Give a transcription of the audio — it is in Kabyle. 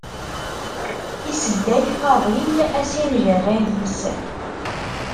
Isedday Faḍil asinjerray-is.